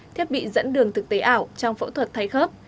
thiết bị dẫn đường thực tế ảo trong phẫu thuật thay khớp